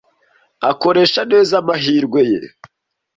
Akoresha neza amahirwe ye.